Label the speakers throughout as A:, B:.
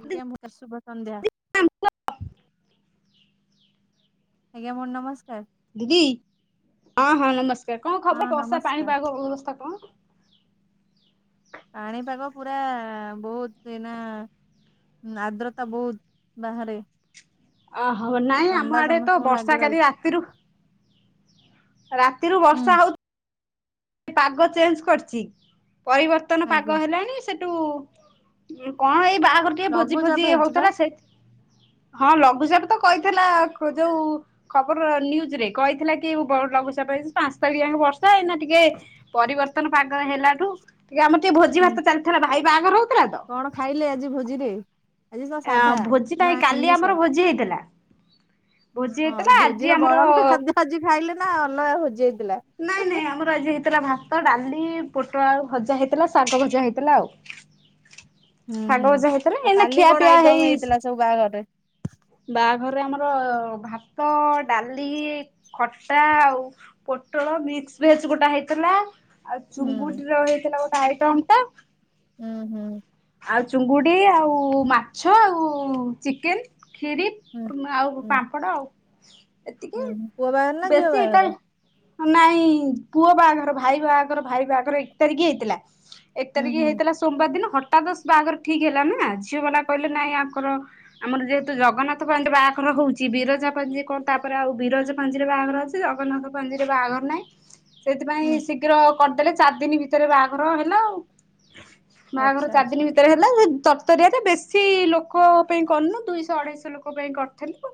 A: ଆଜ୍ଞା। ମୁଁ [unintelligible] ଶୁଭ ସନ୍ଧ୍ୟା। ଆଜ୍ଞା ମୋ ନମସ୍କାର।
B: ଦିଦି ହଁ ହଁ ନମସ୍କାର କଣ ଖବର
A: ହଁ
B: ବର୍ଷା
A: ନମସ୍କାର
B: ପାଣିପାଗ ଅବସ୍ଥା କଣ?
A: ପାଣିପାଗ ପୁରା ବହୁତ ଏଇନା ଆର୍ଦ୍ରତା ବହୁତ ବାହାରେ।
B: ଓହୋ ନାଇଁ ଆମ
A: ଥଣ୍ଡା
B: ଆଡେ ତ
A: ସମସ୍ତଙ୍କୁ ଲାଗି
B: ବର୍ଷା କାଲି
A: ରହିଛି
B: ରାତିରୁ ରାତିରୁ ବର୍ଷା
A: ହୁଁ
B: ହଉ ପାଗ ଚେଞ୍ଜ କରିଛି। ପରିବର୍ତ୍ତନ ପାଗ
A: ଆଜ୍ଞା
B: ହେଲାଣି ସେ ଠୁ କଣ ଏଇ ବାହାଘର ଟିକେ ଭୋଜି ଫୋଜି
A: ଲଘୁଚାପ ହେଇଛି ବା
B: ହଉଥିଲା ସେ। ହଁ ଲଘୁଚାପ ତ କହିଥିଲା ଯୋଉ ଖବର ନିୟୁଜରେ କହିଥିଲା କି ବ ଲଘୁଚାପ ହେଇଚି ପାଞ୍ଚତାରିଖ ଯାଏ ବର୍ଷା ହେଇ ନା ଟିକେ ପରିବର୍ତ୍ତନ ପାଗ ହେଲାଠୁ ଟିକେ ଆମର ଟିକେ ଭୋଜି
A: ହୁଁ
B: ଭାତ ଚାଲିଥିଲା ଭାଇ ବାହାଘର ହଉଥିଲା ତ?
A: କଣ ଖାଇଲେ ଆଜି ଭୋଜିରେ ଆଜି ତ
B: ଆ
A: ସାଧା
B: ଭୋଜି ଟା
A: ନା
B: କାଲି ଆମର
A: ଆମିଷ? [inaudible]
B: ଭୋଜି ହେଇଥିଲା। ଭୋଜି
A: ହଁ
B: ହେଇଥିଲା ଆଜି
A: ଭୋଜିର
B: ଆମର
A: ବଳକା ଖାଦ୍ୟ ଆଜି ଖାଇଲେ ନା ଅଲଗା ଭୋଜି ହୋଇଥିଲା?
B: ନାଇଁ ନାଇଁ ଆମର ଆଜି ହେଇଥିଲା ଭାତ, ଡାଲି ପୋଟଳ ଆଳୁ ଭଜା, ହେଇଥିଲା ଶାଗ ଭଜା ହେଇଥିଲା ଆଉ।
A: ହୁଁ
B: ଶାଗ
A: ହୁଁ
B: ଭଜା ହେଇଥିଲା
A: ଆଉ
B: ଏଇନା
A: କାଲି
B: ଖିଆ
A: କଣ
B: ପିଆ ହେଇ
A: ଆଇଟମ ହେଇଥିଲା ସବୁ ବାହାଘରରେ?
B: ବାହାଘରରେ ଆମର ଭାତ, ଡାଲି ଖଟା ଆଉ ପୋଟଳ ମିକ୍ସ ଭେଜ ଗୋଟା ହେଇଥିଲା ଆଉ
A: ହୁଁ
B: ଚୁଙ୍ଗୁଡିର ହେଇଥିଲା ଗୋଟେ ଆଇଟମ୍ ଟା।
A: ହୁଁ ହୁଁ।
B: ଆଉ ଚୁଙ୍ଗୁଡ଼ି ଆଉ ମାଛ ଆଉ ଚିକେନ ଖିରି।
A: ହୁଁ
B: ତୁମେ ଆଉ
A: ହୁଁ
B: ପାମ୍ପଡ ଆଉ ଏତିକି
A: ହୁଁ ପୁଅ ବାହାଘର ନା ଝିଅ
B: ବେଶୀ
A: ବାହାଘର?
B: ଟା ନାଇଁ ପୁଅ ବାହାଘର ଭାଇ ବାହାଘର ଭାଇ ବାହାଘର ଏକ ତାରିଖ ହେଇଥିଲା। ଏକ
A: ହୁଁ
B: ତାରିଖ
A: ହୁଁ
B: ହେଇଥିଲା ସୋମବାର ଦିନ ହଠାତ୍ ବାହାଘର ଠିକ ହେଲାନା ଝିଅବାଲା କହିଲେ ନାଇଁ ଆଙ୍କର ଆମର ଯେହେତୁ ଜଗନ୍ନାଥ ପାଞ୍ଜିରେ ବାହାଘର ହଉଛି। ବିରଜା ପାଞ୍ଜି କଣ? ତାପରେ ଆଉ ବିରଜା ପାଞ୍ଜିର ବାହାଘର ଅଛି। ଶ୍ରୀ ଜଗନ୍ନାଥ। ପାଞ୍ଜିରେ ବାହାଘର ନାହିଁ
A: ହୁଁ
B: ସେଥିପାଇଁ ଶୀଘ୍ର କରିଦେଲେ ଚାରି ଦିନି ଭିତରେ ବାହାଘର ହେଲା ଆଉ।
A: ଆଚ୍ଛା
B: ବାହାଘର
A: ଆଚ୍ଛା
B: ଚାରିଦିନି ଭିତରେ ହେଲା ତରତରିଆରେ ବେଶୀ ଲୋକ ପାଇଁ କରିନୁ ଦୁଇଶହ ଅଢେଇଶହ ଲୋକ ପାଇଁ କରିଥିଲୁ।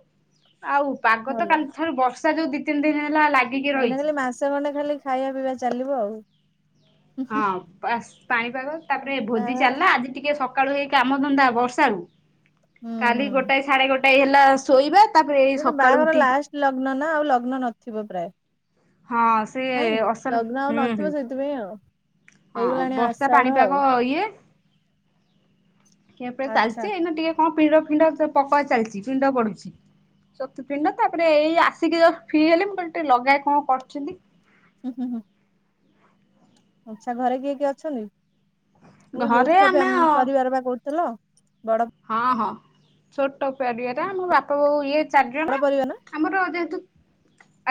B: ଆଉ ପାଗ ତ
A: ଭଲ
B: କାଲି ଥାରୁ ବର୍ଷା ଯୋଉ ଦି ତିନି ଦିନ ହେଲା ଲାଗ
A: ଏଇନା ଖାଲି ମାସେ ଖଣ୍ଡେ ଖାଲି ଖାଇବା ପିଇବା ଚାଲିବ ଆଉ।
B: ହଁ ବାସ ପାଣିପାଗ ତାପରେ ଭୋଜି
A: ବାହାଘର
B: ଚାଲିଲା ଆଜି ଟିକେ ସ ସକାଳୁ ହେଇ କାମଧନ୍ଦା ବର୍ଷାରୁ
A: ହୁଁ
B: କାଲି
A: ହୁଁ
B: ଗୋଟାଏ ସାଢେ ଗୋଟାଏ ହେଲା ଶୋଇବା। ତାପରେ ଏଇ
A: ସେ
B: ସକାଳୁ
A: ବାହାଘର
B: ଉଠିକି
A: ଲାଷ୍ଟ ଲଗ୍ନ ନା ଆଉ ଲଗ୍ନ ନଥିବ ପ୍ରାୟ?
B: ହଁ ସେ
A: ନାଇଁ
B: ଅସଲ
A: ଲଗ୍ନ ଆଉ
B: ହୁଁ ହୁଁ
A: ନଥିବ ସେଇଥିପାଇଁ ଆଉ।
B: ହଁ
A: ହେଇଗଲାଣି
B: ବର୍ଷା
A: ଆଷାଢ ଆଉ
B: ପାଣିପାଗ ଇଏ। [inaudible] ଖିଆ ପିଆ
A: ଆଚ୍ଛା
B: ଚାଲିଛି ଏଇନା ଟିକେ କଣ ପିଣ୍ଡ ଫିଣ୍ଡ ପକା ଚାଲିଛି ପିଣ୍ଡ ପଡୁଛି। ଚତୁପିଣ୍ଡ ତାପରେ ଏଇ ଆସିକି ଜଷ୍ଟ ଫି ହେଲି ମୁଁ କହିଲ ଟିକେ ଲଗାଏ କଣ କରୁଛନ୍ତି?
A: ହୁଁ ହୁଁ। ଆଛା ଘରେ କିଏ କିଏ ଅଛନ୍ତି? ଯୌଥ
B: ଘରେ
A: ଫବେ
B: ଆମେ
A: ପରିବାର ବା କହୁଥିଲ? ବଡ଼
B: ହଁ ହଁ। ଛୋଟ ପରିବାର ଆମ ବାପା, ବୋଉ ଇଏ
A: ବଡ
B: ଚାରିଜଣ।
A: ପରିବାର ନା
B: ଆମର ଯେହେତୁ।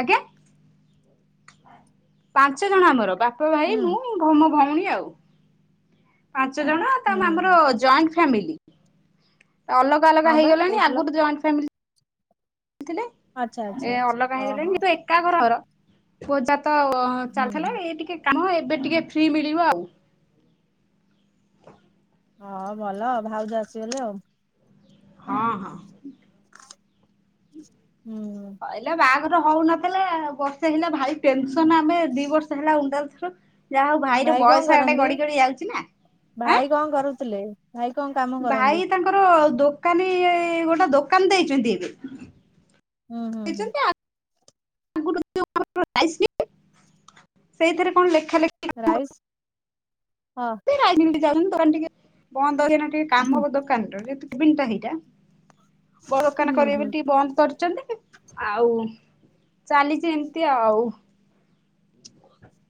B: ଆଜ୍ଞା। ପାଞ୍ଚଜଣ ଆମର ବାପା, ଭାଇ,
A: ହୁଁ
B: ମୁଁ ମୋ ଭଉଣୀ ଆଉ। ପାଞ୍ଚଜଣ ତା
A: ହୁଁ ହୁଁ
B: ଆମର
A: ହୁଁ
B: ଜଏଣ୍ଟ ଫାମିଲି ଅଲ ଅଲଗା
A: ହଁ ବା
B: ହେଇଗଣି
A: କହୁଥିଲ
B: ଆଗରୁ ଜଏଣ୍ଟ ଫିଲି ଥିଲେ
A: ଆଚ୍ଛା ଆଚ୍ଛା
B: ଏ
A: ଆଚ୍ଛା
B: ଅଲଗା
A: ଓ ହୋ
B: ହେଇଗଲେଣି କି କା ଘର ଘର ପଜା ତ
A: ହୁଁ
B: ଚାଲିଥିଲା
A: ହୁଁ
B: ଏ ଟିକେ କାମ ଏବେ ଟିକେ ଫ୍ରି ମିଳିବ ଆଉ।
A: ହଁ ଭଲ ଭାଉଜ ଆସିଗଲେ ଆଉ।
B: ହଁ ହଁ।
A: ହୁଁ।
B: କହିଲେ ବାହାଘର ହଉନଥିଲା ବର୍ଷେ ହେଲା ଭାଇ ପେନସନ ଆମେ ଦି ବର୍ଷ ହେଲା [unintelligible] ଯାହା ହଉ ଭାଇର
A: ଭାଇ କଣ
B: ବୟସ ଟା
A: କରନ୍ତି?
B: ଗଡି ଗଡି ଯାଉଛି ନା ଆଁ।
A: ଭାଇ କଣ କରୁଥିଲେ ଭାଇ କଣ
B: ଭାଇ
A: କାମକରନ୍ତି
B: ତାଙ୍କର ଦୋକାନୀ ଗୋଟେ ଦୋକାନ ଦେଇଚନ୍ତି ଏବେ
A: ହୁଁ ହଁ ହୁଁ
B: ଦେଇଛନ୍ତି ଆଗରୁ ସେଇଥିରେ କଣ ଲେଖା ଲେଖି
A: ରାଇସ୍ ଅହ
B: କି ରାଜନୀତି ଯାଉଛନ୍ତି ଦୋକାନ ଟିକେ ବନ୍ଦ ହେଇ ଟିକେ
A: ହୁଁ
B: କାମ ଦୋ କାନ ଯେ ବିଣ୍ଟା ହେଇଟା ବ
A: ହୁଁ
B: ଦୋକାନ କରିବେ
A: ହୁଁ
B: ବୋଲି ଟିକେ ବନ୍ଦ କରିଛନ୍ତି ଆଉ ଚାଲିଚି ଏମିତି ଆଉ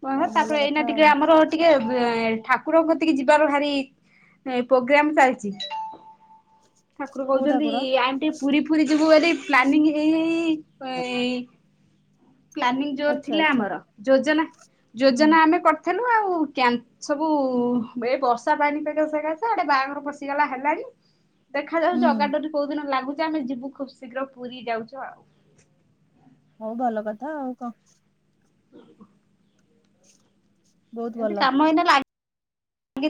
B: କହ
A: ହଉ ଭଲ
B: ତାପରେ
A: କଥା
B: ଏଇନା
A: ଆଉ।
B: ଟିକେ ଆମର ଟିକେ ବ ଠାକୁ କୁର କତିକି ଯିବାର ଭାରି ପୋଗ୍ରାମ ଚାଲିଛି ଠାକୁର
A: କୋଉ
B: କହୁଛନ୍ତି
A: ଠାକୁର?
B: ଆଣ୍ଟି ପୁରୀ ଫୁରୀ ଯିବୁ ବୋଲି ପ୍ଲାନିଂ ଏଇଇ ପ୍ଲାନିଂ ଜୋର
A: ଆଚ୍ଛା
B: ଥିଲା
A: ଆଚ୍ଛା
B: ଆମର ଯୋଜନା
A: ହୁଁ
B: ଯୋଜନା ଆମେ କରିଥେଲୁ ଆଉ ସବୁ ଏ ବର୍ଷା ପାଣି ପାଗ ସେକାସେ ଆଡେ ବାହାଘର ପଶିଗଲା ହେଲାଣିି ଦେଖାଯାଉ ଜଗା
A: ହୁଁ
B: ଡୋରି କୋଉ ଦିନ ଲାଗୁଚି ଆମେ ଯିବୁ ଖୁବ୍ ଶୀଘ୍ର ପୁରୀ ଯାଉଛୁ ଆଉ
A: ହଉ ଭଲ କଥା କଣ ବହୁତ
B: ଏମିତି
A: ଭଲ।
B: କାମ ହେଇନା ଲାଗେ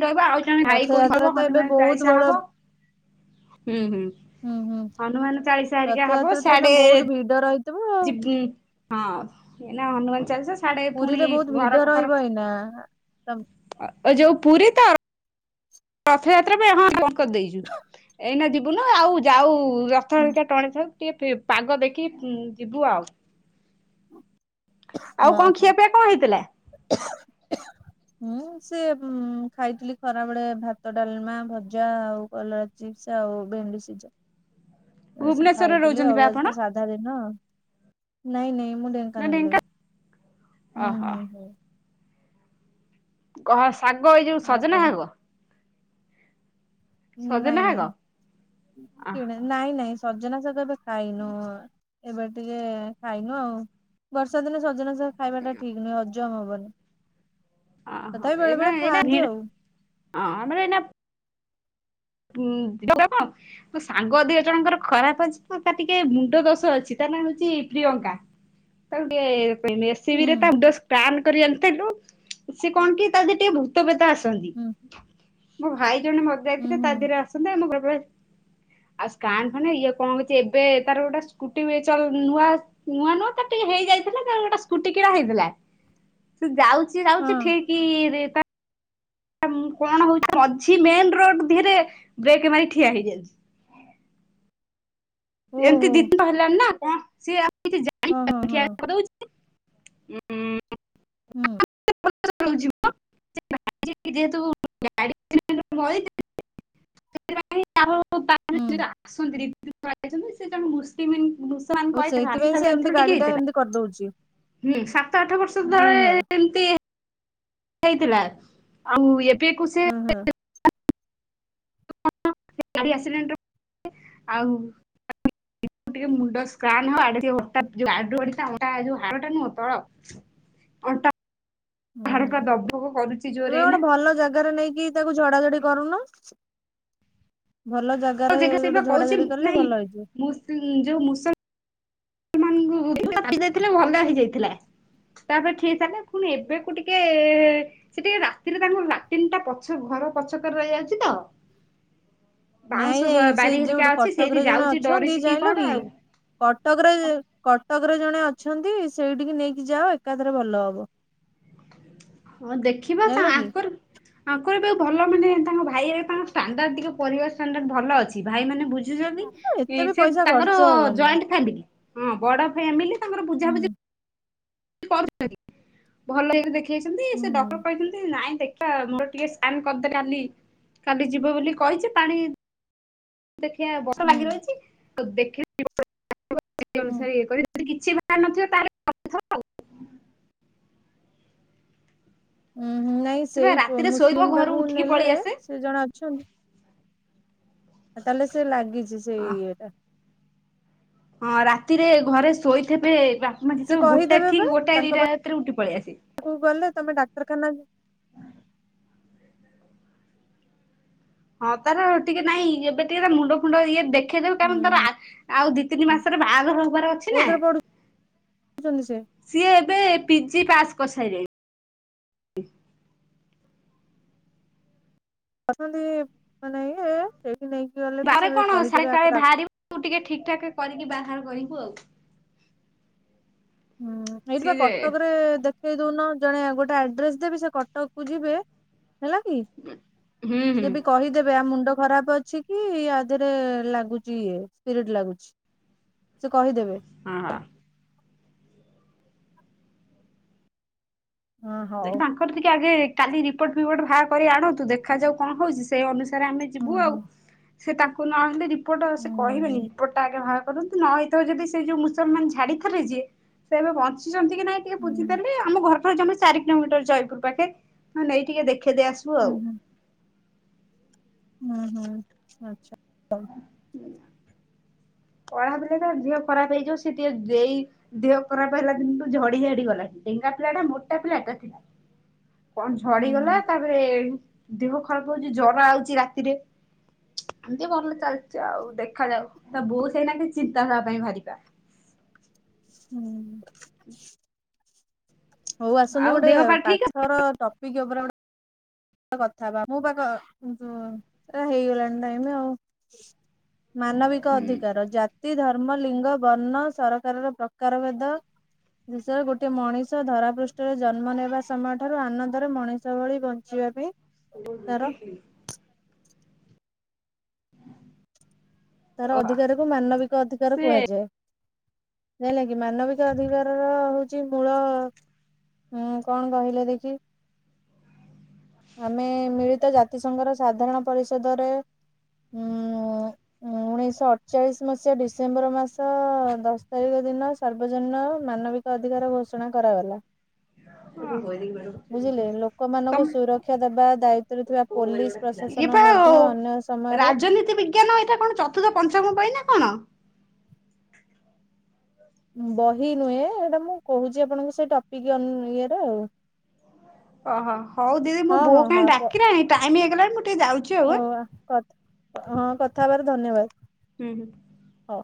B: ରହିବ ଆଉ ଜଣେ ଭାଇ
A: ରଥଯାତ୍ରା
B: କହିବ
A: ତ ଏବେ
B: ହନୁମାନ
A: ବହୁତ
B: ଚାଳିଶା
A: ବଡ
B: ହବ ହୁଁ ହୁଁ
A: ହୁଁ ହୁଁ
B: ହନୁମାନ ଚାଳିଶା ହେରିକା ହବ ସାଡେ
A: ଜ୍ବର ହେଇଥିବ
B: ଯିବି ହଁ ସେ ଏନା ହନୁମାନ ଚାଲିଶା ସାଡେ ପୁଣି ଘର କ ଫର
A: ହେଇ ନା
B: ଆ ଏ ଯୋଉ ପୁରୀ ତ ରଥଯାତ୍ରା ପାଇଁ ହଁ ବନ୍ଦ୍ କରିଦେଇଛୁ ଏଇନା ଯିବୁନା ଆଉ ଯାଉ ରଥ ହେରିକା ଟଣା ସରୁ ଟିକେ ପି ପାଗ ଦେଖିକି ଯିବୁ ଆଉ ଆଉ
A: ହଁ
B: କଣ ଖିଆ ପିଆ କଣ ହେଇଥିଲା
A: [inaudible] ହୁଁ ସେ ଖାଇଥିଲି ଖରା ବଳେ ଭାତ ଡାଲମା ଭଜା ଆଉ କଲରା ଚିପ୍ସ ଆଉ ଭେଣ୍ଡି ସିଝା ଏ ସବୁ
B: ଭୁବନେଶ୍ୱରରେ
A: ଖାଇଥିଲି
B: ରହୁଛନ୍ତି
A: ଆଉ
B: ବା
A: ଆଜି
B: ଆପଣ
A: ତ ସାଧା ଦିନ ନାଇଁ ନାଇଁ ମୁଁ ଢେ
B: ନା
A: ଙ୍କାନାଳ ଲୋ
B: ଢେଙ୍କା
A: ହୁଁ
B: ଓହୋ
A: ହୁଁ ହୁଁ
B: କହଳା ଶାଗ ଏଇ ଯୋଉ
A: ଆଉ
B: ସଜନା
A: କଣ
B: ଶାଗ ସଜନା
A: ନାଇଁ
B: ଶାଗ
A: ନାଇଁ କିଣା
B: ଓହୋ
A: ନାଇଁ ନାଇଁ ସଜନା ଶାଗ ତ ଖାଇନୁ ଏବେ ଟିକେ ଖାଇନୁ ଆଉ ବର୍ଷା ଦିନେ ସଜନା ଶାଗ ଖାଇବାଟା ଠିକ୍ ନୁହେଁ ହଜମ ହବନି ତଥାପି ବେଳେ ବେଳେ ଖାଆନ୍ତି ଆଉ
B: ଆ ମାନେ ଏଇନା ହୁଁ ଦେଖ [unintelligible] ମୋ ସାଙ୍ଗ ଦିଇ ଜଣଙ୍କର ଖରାପ ଅଛି ତାର ଟିକେ ମୁଣ୍ଡ ଦୋଷ ଅଛି ତାର ନାଁ ହଉଚି ପ୍ରିୟଙ୍କା ତାକୁ ଟିକେ ପେ ମେସିନ୍
A: ହୁଁ।
B: ରେ ତା ମୁଣ୍ଡ ସ୍କାନ କରି ଆଣିଥେଲୁ ସେ କଣ କି ତାର ଟିକେ ତେବେ ତ ଆସନ୍ତି
A: ହୁଁ
B: ମୋ ଭାଇ ଜଣେ
A: ହୁଁ
B: ମରିଯାଇଥିଲେ
A: ହୁଁ
B: ତା ଦେହରେ ଆସନ୍ତି ଆମ ଘରେ ପରେ ଆଉ ସ୍କାନ ଫାନେ ଇଏ କଣ କରିଛି ଏବେ ତାର ଗୋଟେ ସ୍କୁଟି ବି ଚଳୁ ନୂଆ ନୂଆ ନୂଆ ତ ଟିକେ ହେଇଯାଇଥିଲା ତ ଗୋଟେ ସ୍କୁଟି କିଣା ହେଇଥିଲା ସେ ଯାଉ ସେ
A: ହଁ
B: ଯାଉଛି ଠିକିରେ ତ କଣ ହଉଛି ମଝି ମେନ୍ ରୋଡ୍ ଧିରେ ବ୍ରେକ୍ ମାରି ଠିଆ ହେଇଯାଇଛି ଏମିତି
A: ଓହୋ
B: ଦିି ତିନି ଟା ହେଲାଣି ନା କଣ ସିଏ ଆଉ କିଛି ଜାଣି
A: ହଁ ହଁ
B: ପାରୁନି ଉଁ ଠିଆ
A: ହଁ
B: କରିଦଉଚି ଉଁ
A: ଉଁ
B: [unintelligible] [unintelligible] ଯେହେତୁ ଗାଡି [unintelligible] ସେଇଥିପାଇଁ ଆଉ ତା
A: ହୁଁ।
B: [unintelligible] ଆସନ୍ତି ଦି ତିନ ଥର ଆଇଛନ୍ତି ସିଏ ଜଣେ ମୁସଲିମ୍ [unintelligible] ସେମାନଙ୍କୁ କହି [unintelligible] ଟିକେ ହେଇଥେଲା।
A: କରି ଦଉଚି।
B: ହୁଁ ସାତ ଆଠ ବର୍ଷ ତଳେ ଏମତି ହେଇଥିଲା ଆଉ ଏବେ ଏକୋଉଶି
A: ଉଁ ହୁଁ।
B: ସେ ଗାଡି ଆକ୍ସିରେଣ୍ଟରେ ଆଉ [unintelligible] ଏଇଠୁ ଟିକେ ମୁଣ୍ଡ ସ୍କ୍ରାନ୍ ହଉ ଆଡେ ଯୋଉ [unintelligible] ଯୋଉ ଗାଡିରୁ ପଡିଥିଲା ଅଣ୍ଟା ହାଡଟା ନୁହଁ ତଳ ଅଣ୍ଟା
A: ଉଁ
B: ହାଡ
A: ହୁଁ
B: ପୁରା ଦବକ କରୁଛି ଜୋରରେ
A: ତମେ
B: ଏଇନା
A: ଗୋଟେ ଭଲ ଜାଗାରେ ନେଇକି ତାକୁ ଝଡା ଝଡି କରୁନ। ଭଲ
B: ତ
A: ଜାଗାରେ ଗୋଟେ ଝଡା ଝଡି କଲେ ଭଲ ହେଇଯିବ।
B: ଉଁ ଯୋଉ ମୁସଲ୍ ଉଁ [unintelligible] ଝାଡି ଦେଇଥିଲେ ଭଲ ହେଇଯାଇଥିଲା। ତାପରେ ଠିକ୍ ଥେଲେ ଫୁଣି ଏବେକୁ ଟିକେ ସିଏ ଟିକେ ରାତିରେ ତାଙ୍କୁ ଲାଟିନଟା ପଛ ଘର ପଛକରେ ରହିଯାଉଚି ତ
A: ନାଇଁ
B: ବାଉଁଶ ବା
A: ନାଇଁ ସେ
B: ବାରି
A: ଯୋଉଠୁ
B: ହେରିକା ଅଛି ସେଇଠି
A: କଟକରେ ଜଣେ
B: ଯାଉଚି
A: ଅଛନ୍ତି
B: ଡରିଛି କି
A: ଜାଣିଲ
B: କଣ ଆଉ।
A: କଟକରେ କଟକରେ ଜଣେ ଅଛନ୍ତି ସେଇଠିକି ନେଇକି ଯାଅ ଏକାଥେରେ ଭଲ ହବ।
B: ହଁ ଦେଖିବା ତା
A: ଜାଣିଲ କି।
B: ଆଙ୍କରୁ ଆଙ୍କୁ ଏବେ ଭଲ ମାନେ ତାଙ୍କ ଭାଇ ଏଇ ତାଙ୍କ ଷ୍ଟାଣ୍ଡାର୍ଡ ଟିକେ ପରିବାର ଷ୍ଟାଣ୍ଡାର୍ଡ ଭଲ ଅଛି ଭାଇମାନେ ବୁଝ୍ ଝୁଚନ୍ତି
A: ଏତେ ବି
B: ଇ ସିଏ
A: ପଇସା
B: ତାଙ୍କର
A: ଖର୍ଚ୍ଚ ହବନି
B: ଜଏଣ୍ଟ ଫାମିଲ ହଁ ବଡ ଫ୍ଯାମିଲି ତାଙ୍କର ବୁଝାବୁଝି
A: ହୁଁ
B: ଇ କରୁଛନ୍ତି ଭଲ ଇଏରେ ଦେଖେଇଛନ୍ତି ସେ ଡକ୍ଟର
A: ହୁଁ
B: କହିଛନ୍ତି ନାଇଁ ଦେ ଟା ମୋର ଟିକେ ସ୍କାନ କରିଦେ କାଲି କାଲି ଯିବ ବୋଲି କହିଛି ପାଣି ଦେଖିଆ ବର୍ଷା
A: ହୁଁ
B: ଲାଗି ରହିଛି ତ ଦେଖିଲି [unintelligible] ସେଇ
A: ହୁଁ
B: ଅନୁସାରେ [unintelligible] ଯଦି କିଛି ଭାରି ନଥିବ ତାହେଲେ [unintelligible] ଆଉ।
A: ଉଁ ହୁଁ ନାଇଁ
B: ସେ ବା
A: ସେଇ ପ
B: ରାତିରେ ଶୋଇବ
A: ମୁସଲିମ୍
B: ଘରୁ
A: ପାଖୁକୁ
B: ଉଠିକି ପଳେଇ
A: ନେଲେ
B: ଆସେ।
A: ସିଏ ଜଣେ ଅଛନ୍ତି ଆଉ ତାହେଲେ ସିଏ ଲାଗିଚି ସେଇ ଇଏଟା।
B: ହଁ ରାତିରେ ଘରେ ଶୋଇଥେବେ ବାପା ମା
A: ସେ
B: ଯେତବେଳୁକୁ ଗୋଟାଏ ଠିକ୍ ଗୋଟାଏ ଦିଟା ରାତିରେ ଉଠି ପଳି ଆସିବେ।
A: ପାଖୁକୁ ଗଲେ ତମେ ଡାକ୍ତରଖାନା ଯ
B: ହଁ ତାର ଟିକେ ନାଇଁ ଏବେ ଟିକେ ତା ମୁଣ୍ଡ ଫୁଣ୍ଡ ଇଏ ଦେ ଖେଇଦେବୁ ତା ମାନେ ତାର
A: ହୁଁ
B: ଆ ଆଉ ଦି ତିନି ମାସେରେ ବାହାଘର ହବାର ଅଛି ନା
A: ଅଛନ୍ତି ସେ
B: ସିଏ ଏବେ ପିଜି ପାସ୍ କରିସାଇଲେଣି।
A: ଅଛନ୍ତି ମାନେ ଇଏ ସେଇଠି ନେଇକି ଗଲେ ବି ସେମାନେ କହିଦେବେ ଆକୁ ଡା
B: ତୁ ଟିକେ ଠିକ୍ ଠାକ କରିକି ବାହାଘର କରିବୁ ଆଉ।
A: ହୁଁ ଏଇଠି ବା
B: ସିଏ ଯେ
A: କଟକରେ ଦେ ଖେଇ ଦଉନ ଜଣେ ଗୋଟେ ଆଡ୍ରେସ୍ ଦେବି ସେ କଟକକୁ ଯିବେ ହେଲା କି
B: ହୁଁ ହୁଁ
A: ସିଏ ବି କହିଦେବେ ଆ ମୁଣ୍ଡ ଖରାପ ଅଛି କି ଆ ଦେହେରେ ଲାଗୁଚି ଇଏ ସ୍ପିରିଟ୍ ଲାଗୁଛି। ସିଏ କହିଦେବେ।
B: ହଁ ହ।
A: ହଁ
B: ଦେଖ୍
A: ହଉ।
B: ତାଙ୍କର ଟିକେ ଆଗେ କାଲି ରିପୋର୍ଟ ଫିପୋର୍ଟ ଭା କରି ଆଣନ୍ତୁ ଦେଖାଯାଉ କଁ ହଉଚି ସେ ଅନୁସାରେ ଆମେ
A: ହୁଁ
B: ଯିବୁ ଆଉ,
A: ହୁଁ
B: ସେ ତାଙ୍କୁ ନହଲେ ରିପୋର୍ଟ ସେ କହିବେନି
A: ହୁଁ
B: ରିପୋର୍ଟା ଆଗେ ବା କରନ୍ତୁ ନ ହେଇଥାଉ ଯଦି ସେ ଯୋଉ ମୁସଲମାନ ଛାଡ଼ିଥିବେ ଯିଏ, ସେ ଏବେ ବଞ୍ଚିଛନ୍ତି କି ନାଇଁ ଟିକେ
A: ହୁଁ
B: ବୁଝିଦେଲି ଆମ ଘରଠୁ ଜମା ଚାରି କିଲୋମିଟର ଜୟପୁର ପାଖେ, ହଁ ନେଇ ଟିକେ ଦେଖ ଖେଦେଇ ଆସିବୁ
A: ହୁଁ
B: ଆଉ।
A: ହୁଁ ହୁଁ ହୁଁ ଆଚ୍ଛା ହଉ।
B: ପଢ଼ାବେଳେ ତ ଦିହ ଖରାପ ହେଇଯିବ ସେ ଟିକେ ଦେଇ ଦିହ ଖରାପ ହେଲା ଦିନୁଠୁ ଝଡ଼ି ଝାଡ଼ି ଗଲାଣି। ଢ଼େଙ୍ଗା ପିଲା ଟା ମୋଟା ପିଲାଟା ଥିଲା। କଣ
A: ହୁଁ ହୁଁ
B: ଝଡ଼ିଗଲା ତାପରେ ଦିହ ଖରାପ ହଉଛି, ଜରା ଆଉଛି ରାତିରେ। ଏମିତି ଭଲ ଚାଲିଛି ଆଉ ଦେଖାଯାଉ ତା ବୋଉ ସେଇନାଗି ଚିନ୍ତା ତା ପାଇଁ ଭାରିପା।
A: ହୁଁ। ହହୋଉ ଆସନ୍ତୁ
B: ଆଉ
A: ଗୋଟେ
B: ଦେହ ପା ଠିକ ଅଛି
A: ପାଠର ଟପିକ ଉପରେ ଗୋଟେ କଥା ହବା ମୁଁ ପା କ ହେଇଗଲାଣି ଟାଇମ୍ ଆଉ। ମାନବିକ
B: ହୁଁ
A: ଅଧିକାର, ଜାତି, ଧର୍ମ, ଲିଙ୍ଗ, ବର୍ଣ୍ଣ ସରକାରର ପ୍ରକାର ଭେଦ। ଦେଶରେ ଗୋଟେ ମଣିଷ ଧରା ପୃଷ୍ଠରେ ଜନ୍ମ ନେବା ସମୟ ଠାରୁ ଆନନ୍ଦରେ ମଣିଷ ଭଳି ବନ ଞ୍ଚିବା ପାଇଁ।
B: ମୁଁ କଣ
A: ତାର
B: ଦେଖିଛି?
A: ତାର
B: ଓହୋ
A: ଅଧିକାରକୁ ମାନବିକ ଅଧିକାର
B: ସେ
A: କୁହାଯାଏ। ଜାଇଁଲ କିି ମାନବିକ ଅଧିକାରର ହଉ ଛି ମୂଳ ହୁଁ କଣ କହିଲେ ଦେଖି? ଆମେ ମିଳିତ ଜାତିସଂଘର ସାଧାରଣ ପରିଷଦରେ ଉଁ ଉଁ ଉଣେଇଶ ଅଠଚାଳିଶ ମସିହା ଡିସେମ୍ବର ମାସ ଦଶ ତାରିଖ ଦିନ ସାର୍ବଜନୀନ ମାନବି କ ଅଧିକାର ଘୋଷଣା କରାଗଲା।
B: [unintelligible]
A: ବୁଝିଲେ ଲୋକମାନଙ୍କୁ
B: ତମ
A: ସୁରକ୍ଷା ଦେବା ଦାୟିତ୍ବରେ ଥିବା ପୋଲିସ
B: ଇଏ
A: ପ୍ରଶାସନ ମଧ୍ୟ ଅନ୍ୟ ସମୟରେ
B: କେନ ଏଇଟା କଣ ଚତୁର୍ଥ ପଞ୍ଚମ ପାଇଁ ନା କଣ?
A: ବହି ନୁହେଁ ଏଇଟା ମୁଁ କହୁଛି ଆପଣଙ୍କୁ ସେଇ ଟପିକ ଅନ ଇଏର ଆଉ।
B: ଓହୋ। ହଉ ଦିଦି ମୋ
A: ହଁ
B: ବୋଉ
A: ହଁ ହଁ
B: କାଇଁ
A: ପ-
B: ଡ଼ାକିଲାଣି ଟାଇମ ହେଇଗଲାଣି ମୁଁ ଟିକେ ଯାଉଛି। ଆଉ।
A: ହଉ ହଁ
B: ହୁଁ
A: କଥ୍ ହଁ କଥା ହେବାରୁ ଧନ୍ୟବାଦ।
B: ହୁଁ ହୁଁ।
A: ହଉ।